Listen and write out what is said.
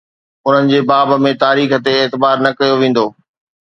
انهن جي باب ۾ تاريخ تي اعتبار نه ڪيو ويندو.